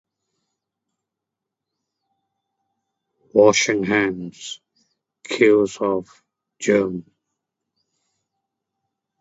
Washing hands kills off germ.